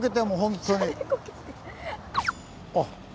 あっ。